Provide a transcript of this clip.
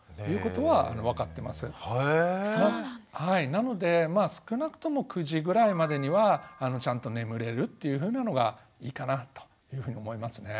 なのでまあ少なくとも９時ぐらいまでにはちゃんと眠れるというふうなのがいいかなというふうに思いますね。